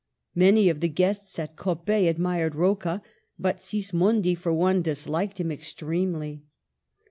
Many of the guests at Coppet admired Rocca, but Sis mondi, for one, disliked him extremely.